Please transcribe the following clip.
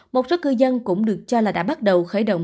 một số cư dân cũng được cho là đã bắt đầu khởi động